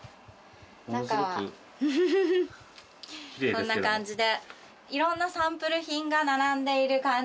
こんな感じで。